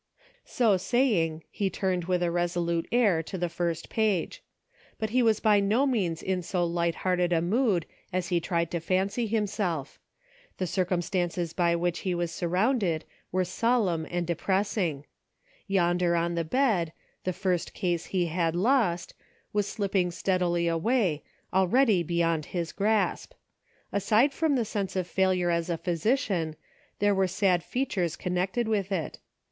So saying, he turned with a resolute air to the first page. But he was by no means in so light hearted a mood as he tried to fancy himself. The circumstances by which he was surrounded were solemn and depressing. Yonder on the bed, the first case he had lost, was slipping steadily away, already gone beyond his grasp. Aside from the sense of fail ure as a physician, there were sad features con nected with it.